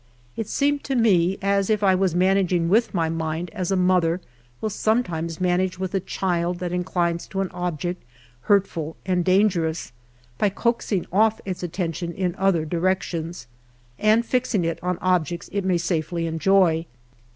It seemed to me as if I was managing with my mind as a mother will sometimes manage with a child that inclines to an object hurtful and dangerous, by coaxing off its attention in other directions, and fixing it on objects it may safely enjoy.